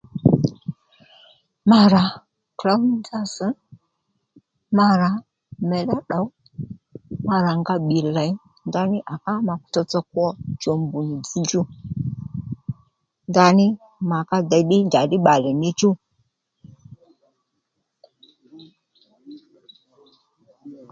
Ma rà klǒw ní dza ss̀, ma rà mèddá tdòw ma rà nga bbì lèy ndaní à ká ma tsotso kwo cho mbu nì dzzdjú ndaní ma ká dey ddí njàddí bbalè níchú